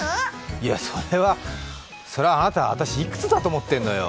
いや、それは、それはあなた、私、いくつだと思ってるのよ。